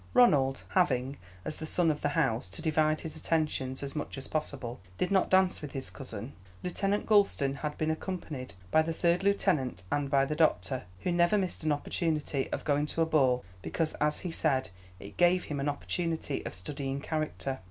Ronald having, as the son of the house, to divide his attentions as much as possible, did not dance with his cousin. Lieutenant Gulston had been accompanied by the third lieutenant, and by the doctor, who never missed an opportunity of going to a ball because, as he said, it gave him an opportunity of studying character.